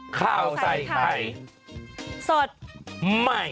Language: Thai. ข้าวใส่ไข่สดใหม่